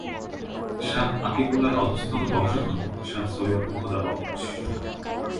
শাহ আতিকুল্লাহ‘র অধস্তন বংশধর শাহ সৈয়দ খোদাবখশ।